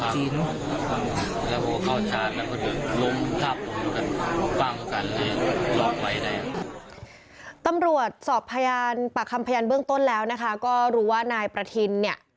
สอบพยานปากคำพยานเบื้องต้นแล้วนะคะก็รู้ว่านายประทินเนี่ย